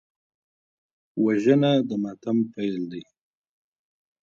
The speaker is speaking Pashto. وژنه د ماتم پیل دی